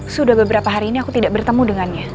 sudah beberapa hari ini aku tidak bertemu dengannya